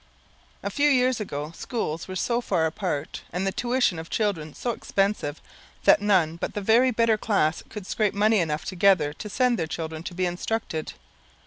A few years ago schools were so far apart, and the tuition of children so expensive, that none but the very better class could scrape money enough together to send their children to be instructed.